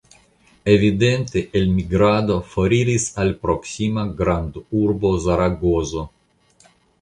Evidente elmigrado foriris al proksima grandurbo Zaragozo.